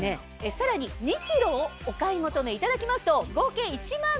さらに２ｋｇをお買い求めいただきますと。